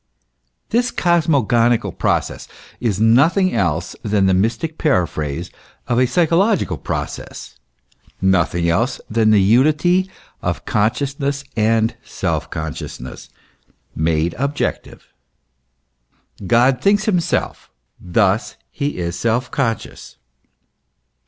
This cosmogonical process is nothing else than the mystic paraphrase of a psychological process, nothing else than the unity of consciousness and self consciousness, made objec tive. God thinks himself: thus he is self conscious.